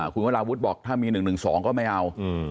คุณวราวุฒิบอกถ้ามี๑๑๒ก็ไม่เอา